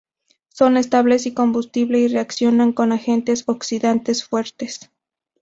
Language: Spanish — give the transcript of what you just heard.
Son estables y combustible y reaccionan con agentes oxidantes fuertes.